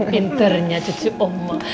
pinternya cuci omah